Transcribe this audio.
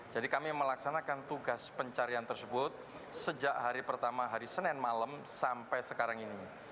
jadi kami melaksanakan tugas pencarian tersebut sejak hari pertama hari senin malam sampai sekarang ini